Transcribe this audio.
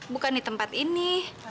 bukan di tempat ini